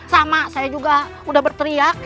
sama saya juga udah berteriak